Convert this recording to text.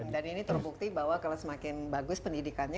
dan ini terbukti bahwa kalau semakin bagus pendidikannya